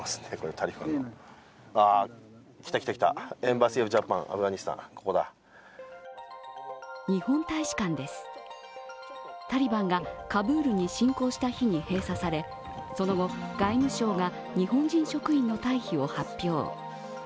タリバンがカブールに進攻した日に閉鎖され、その後、外務省が日本人職員の退避を発表。